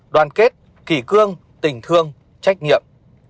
năm đoàn kết kỳ cương tình thương trách nhiệm